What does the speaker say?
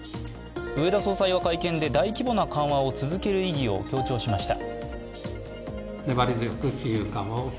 植田総裁は会見で大規模な緩和を続ける意義を強調しました。